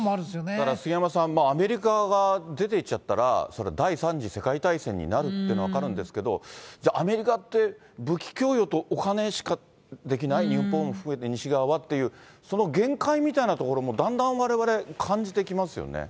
ただ杉山さん、アメリカが出ていっちゃったら、第３次世界大戦になるってのは分かるんですけど、じゃあ、アメリカって武器供与とお金しかできない、日本を含めて西側はっていう、その限界みたいなところもだんだんわれわれ、感じてきますよね。